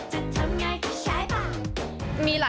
จะทำใจมีไว้ละ